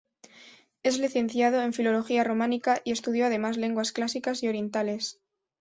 Es licenciado en filología románica y estudió además lenguas clásicas y orientales.